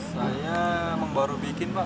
saya baru bikin pak